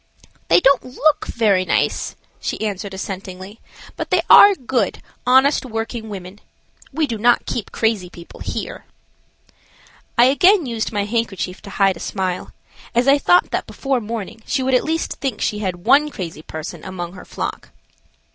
"They don't look very nice," she answered, assentingly, "but they are good, honest working women. We do not keep crazy people here." I again used my handkerchief to hide a smile, as I thought that before morning she would at least think she had one crazy person among her flock.